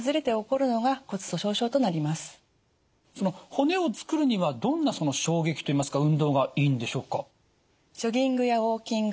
骨をつくるにはどんな衝撃といいますか運動がいいんでしょうか。